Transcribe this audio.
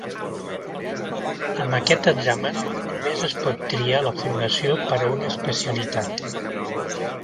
Amb aquest examen només es pot triar la formació per a una Especialitat.